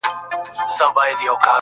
چي علت یې ښایي د ده مسافري او محصلي وي